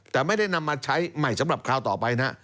แต่ไม่ได้นำมาใช้ใหม่สำหรับคราวต่อไปนะ